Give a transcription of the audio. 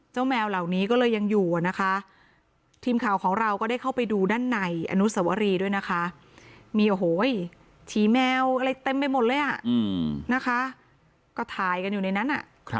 แมวเหล่านี้ก็เลยยังอยู่นะคะทีมข่าวของเราก็ได้เข้าไปดูด้านในอนุสวรีด้วยนะคะมีโอ้โหฉีแมวอะไรเต็มไปหมดเลยอ่ะนะคะก็ถ่ายกันอยู่ในนั้น